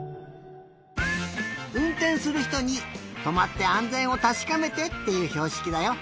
うんてんするひとにとまってあんぜんをたしかめてっていうひょうしきだよ。